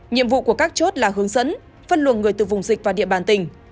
nhiệm vụ của các chốt là hướng dẫn phân luận người từ vùng dịch và địa bàn tỉnh